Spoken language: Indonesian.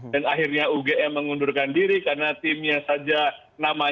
dan akhirnya ugm mengundurkan diri karena timnya saja namanya saja